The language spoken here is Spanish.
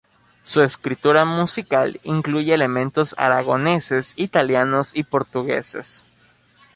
Su escritura musical incluye elementos aragoneses, italianos y portugueses.